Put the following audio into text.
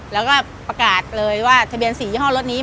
แล้วก็ประกาศเลยว่าทะเบียน๔ยี่ห้อรถนี้